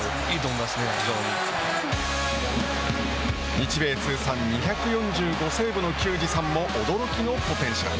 日米通算２４５セーブの球児さんも驚きのポテンシャル。